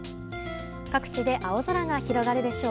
各地で青空が広がるでしょう。